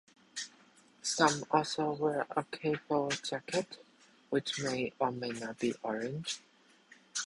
Some also wear a cape or jacket, which may or may not be orange.